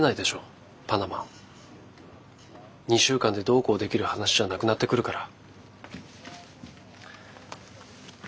２週間でどうこうできる話じゃなくなってくるから。